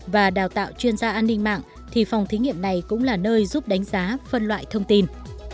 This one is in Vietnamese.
và đào tạo chuyên gia an ninh mạng thì phòng thí nghiệm này cũng là nơi giúp đánh giá phân loại thông tin